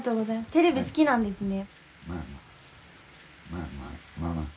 テレビ好きなんですね？